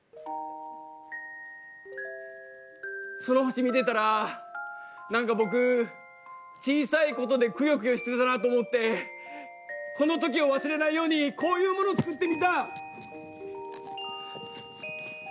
その星見てたら何か僕小さいことでくよくよしてたなと思ってこの時を忘れないようにこういうものを作ってみた。